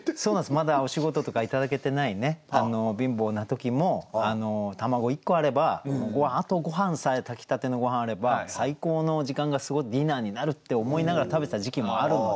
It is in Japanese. まだお仕事とか頂けてないね貧乏な時も卵１個あればあとごはんさえ炊きたてのごはんあれば最高の時間がディナーになるって思いながら食べてた時期もあるので。